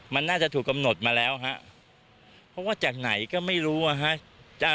มันน่าจะถูกกำหนดมาแล้วฮะเพราะว่าจากไหนก็ไม่รู้อ่ะฮะ